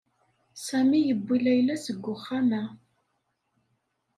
Sami yewwi Layla seg uxxam-a.